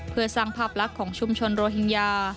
เพื่อสร้างภาพลักษณ์ของชุมชนโรฮิงญา